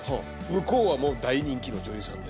向こうはもう大人気の女優さんで。